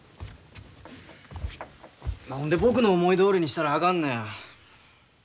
何で僕の思いどおりにしたらあかんのや。